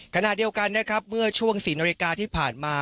ขณะเดียวกันนะครับเมื่อช่วง๔นาฬิกาที่ผ่านมา